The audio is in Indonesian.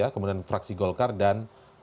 kemudian fraksi golkar dan